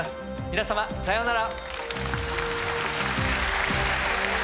皆様さようなら。